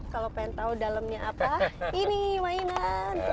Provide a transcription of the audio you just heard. kalau ingin tahu dalamnya apa ini mainan